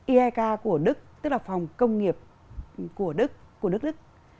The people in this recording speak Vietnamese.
ihk của đức tức là phòng công nghiệp của đức của đức đức